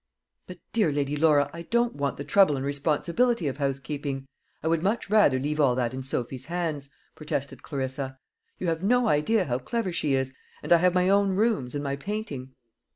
"But, dear Lady Laura, I don't want the trouble and responsibility of housekeeping. I would much rather leave all that in Sophy's hands," protested Clarissa. "You have no idea how clever she is. And I have my own rooms, and my painting."